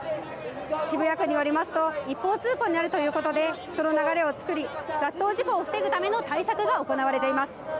渋谷区によりますと、一方通行になるということで、人の流れを作り、雑踏事故を防ぐための対策が行われています。